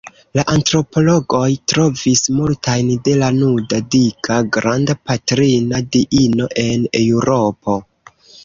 La antropologoj trovis multajn de la nuda dika Granda Patrina Diino en Eŭropo.